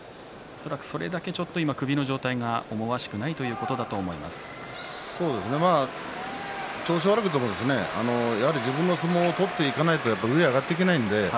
それだけ首の状態が思わしくないという調子が悪くても自分の相撲を取っていかないと上に上がっていけないので